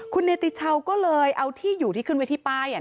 คุณเนติชาวก็เลยเอาที่อยู่ที่ขึ้นไว้ที่ป้าย